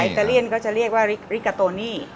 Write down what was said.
ตาเลียนก็จะเรียกว่าริกาโตนี่